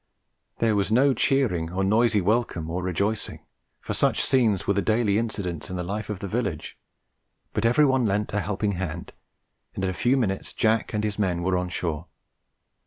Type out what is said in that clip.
There was no cheering or noisy welcome or rejoicing, for such scenes were the daily incidents in the life of the village; but everyone lent a helping hand, and in a few minutes Jack and his men were on shore.